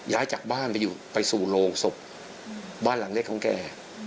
ย้ายจากบ้านไปสู่โรงศพบ้านหลังเล็กของแก